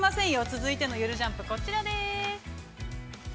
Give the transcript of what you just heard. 続いてのゆるジャンプこちらです。